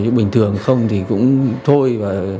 nhưng bình thường không thì cũng thôi